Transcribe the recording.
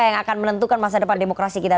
yang akan menentukan masa depan demokrasi kita